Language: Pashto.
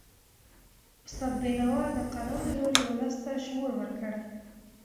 استاد بینوا د قلم له لاري ولس ته شعور ورکړ.